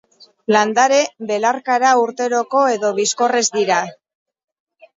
Landare belarkara urteroko edo bizikorrez dira.